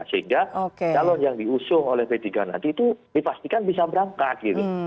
sehingga calon yang diusung oleh p tiga nanti itu dipastikan bisa berangkat gitu